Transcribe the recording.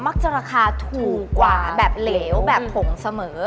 จะราคาถูกกว่าแบบเหลวแบบผงเสมอ